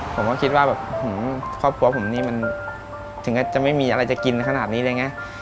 ผมก็คิดว่าแบบครอบครัวผมนี่มันถึงก็จะไม่มีอะไรจะกินขนาดนี้เลยไง